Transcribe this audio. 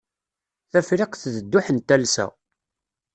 Tafriqt d dduḥ n talsa.